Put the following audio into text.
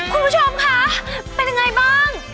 คุณผู้ชมคะเป็นยังไงบ้าง